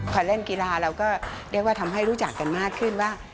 พอเล่นกีฬาเราก็เรียกว่าทำให้รู้จักกันมากขึ้นว่า